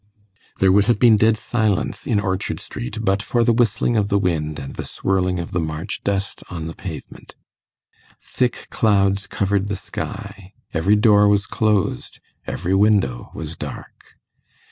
There would have been dead silence in Orchard Street but for the whistling of the wind and the swirling of the March dust on the pavement. Thick clouds covered the sky; every door was closed; every window was dark.